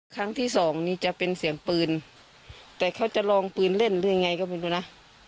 ครั้งที่สองนี้จะเป็นเสียงปืนแต่เขาจะลองปืนเล่นหรือยังไงก็ไม่รู้นะ